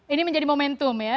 ini menjadi momentum ya